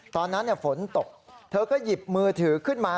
ตอนนั้นฝนตกเธอก็หยิบมือถือขึ้นมา